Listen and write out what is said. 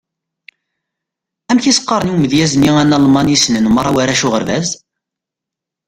Amek i s-qqaren i umedyaz-nni analman i ssnen merra warrac uɣerbaz?